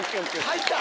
入った！